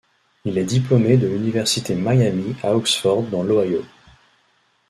Il est diplômé de l'université Miami, à Oxford, dans l'Ohio.